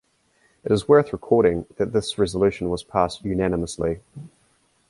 It is worth recording that this resolution was passed unanimously.